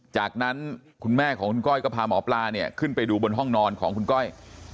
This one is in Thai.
จากนั้นคุณแม่ของคุณก้อยก็พาหมอปลาเนี่ยขึ้นไปดูบนห้องนอนของคุณก้อย